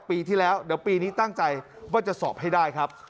ปีที่แล้วเดี๋ยวปีนี้ตั้งใจว่าจะสอบให้ได้ครับ